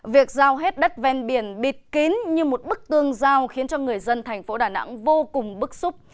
việc giao hết đất ven biển bịt kín như một bức tương giao khiến cho người dân thành phố đà nẵng vô cùng bức xúc